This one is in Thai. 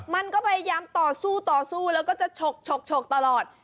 มันก็พยายามต่อสู้ต่อสู้แล้วก็จะฉกตลอด